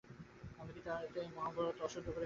আমি কি তাতে মহাভারত অশুদ্ধ করে ফেলছি।